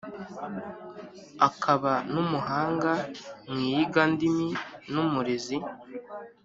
akaba n’umuhanga mu iyigandimi n’umurezi